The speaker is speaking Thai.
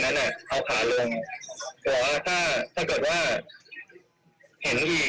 เราไม่โอเคเราก็แบบเอามาแชร์